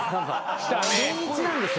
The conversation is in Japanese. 年１なんですよ。